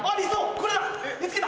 これだ！